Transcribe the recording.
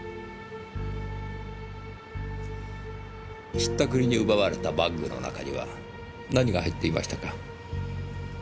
引ったくりに奪われたバッグの中には何が入っていましたか？